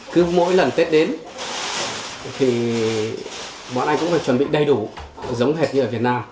cứ mỗi lần tết đến thì bọn anh cũng phải chuẩn bị đầy đủ giống hệt như ở việt nam